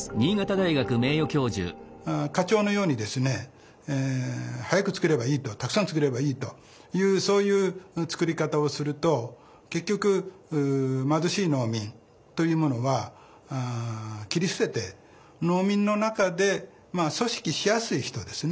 課長のようにですね早く作ればいいとたくさん作ればいいというそういう作り方をすると結局貧しい農民というものは切り捨てて農民の中で組織しやすい人ですね。